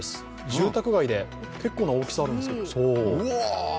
住宅街で結構な大きさなんですけど。